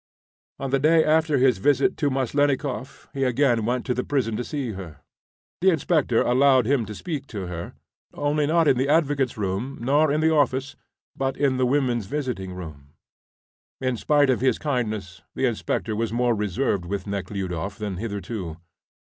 On the day after his visit to Maslennikoff, he again went to the prison to see her. The inspector allowed him to speak to her, only not in the advocate's room nor in the office, but in the women's visiting room. In spite of his kindness, the inspector was more reserved with Nekhludoff than hitherto.